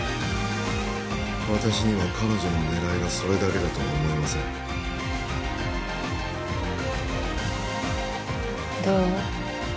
私には彼女の狙いがそれだけだとは思えませんどう？